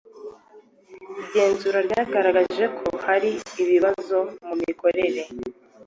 igenzura ryagaragaje ko hari ibibazo mu mikorere